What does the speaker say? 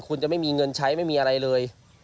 คุณจะไม่มีเงินใช้ไม่มีอะไรเลย